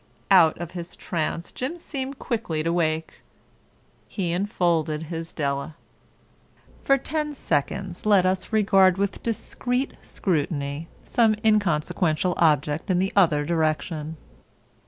Out of his trance Jim seemed quickly to wake. He enfolded his Della. For ten seconds let us regard with discreet scrutiny some inconsequential object in the other direction.